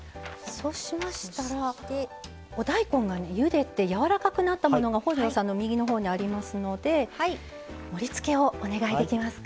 そうしましたらお大根がゆでてやわらかくなったものが本上さんの右の方にありますので盛りつけをお願いできますか。